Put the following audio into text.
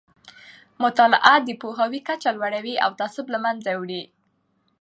مطالعه د پوهاوي کچه لوړوي او تعصب له منځه وړي.